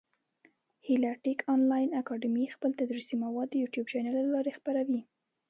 هیله ټېک انلاین اکاډمي خپل تدریسي مواد د يوټیوب چېنل له لاري خپره وي.